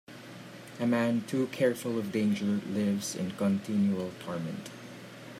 A man too careful of danger lives in continual torment.